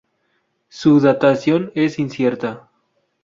Su datación es incierta.